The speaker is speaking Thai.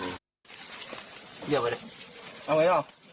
เลี่ยวไปเลย